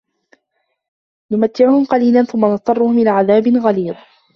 نُمَتِّعُهُم قَليلًا ثُمَّ نَضطَرُّهُم إِلى عَذابٍ غَليظٍ